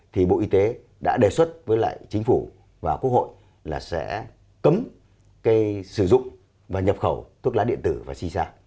thì bộ y tế đã đề xuất với lại chính phủ và quốc hội là sẽ cấm cái sử dụng và nhập khẩu thuốc lá điện tử và cisa